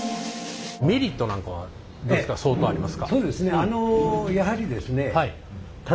メリットなんかは相当ありますか？